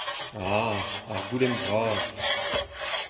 A, ar goulenn bras !